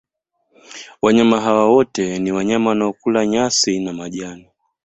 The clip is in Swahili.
wanyama hawa wote ni wanyama wanaokula nyasi na majani